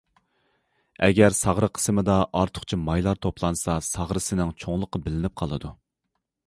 ئەگەر ساغرا قىسمىدا ئارتۇقچە مايلار توپلانسا، ساغرىسىنىڭ چوڭلۇقى بىلىنىپلا قالىدۇ.